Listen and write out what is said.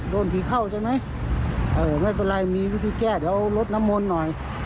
โดนผีเข้าใช่ไหมเออไม่เป็นไรมีวิธีแก้เดี๋ยวลดน้ำมนต์หน่อย